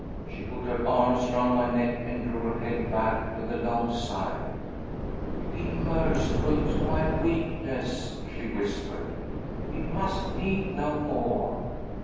She put her arms round my neck and drew her head back with a long sigh. "Be merciful to my weakness," she whispered. "We must meet no more."